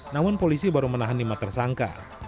namun polisi baru menahan lima tersangka